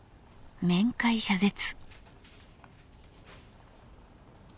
面会謝絶。